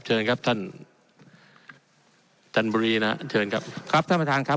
เชิญครับท่านจันบุรีนะเชิญครับครับท่านประธานครับ